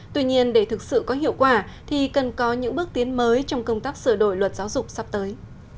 tuy nhiên để thực sự có hiệu quả thì cần có những bước tiến mới trong công tác sửa đổi luật giáo dục sắp tới